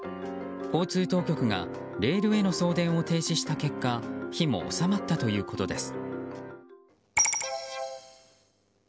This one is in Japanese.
交通当局がレールへの送電を停止した結果火も収まったということです。